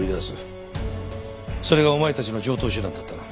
それがお前たちの常套手段だったな。